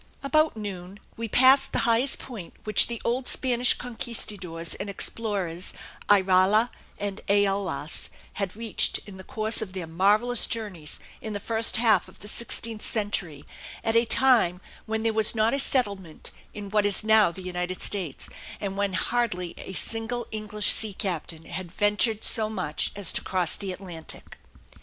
About noon we passed the highest point which the old Spanish conquistadores and explorers, Irala and Ayolas, had reached in the course of their marvellous journeys in the first half of the sixteenth century at a time when there was not a settlement in what is now the United States, and when hardly a single English sea captain had ventured so much as to cross the Atlantic.